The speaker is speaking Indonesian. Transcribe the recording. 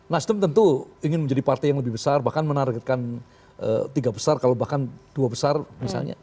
nasdem tentu ingin menjadi partai yang lebih besar bahkan menargetkan tiga besar kalau bahkan dua besar misalnya